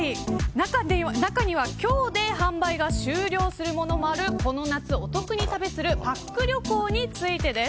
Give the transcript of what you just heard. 中には今日で販売が終了するものもある、この夏を得に旅するパック旅行についてです。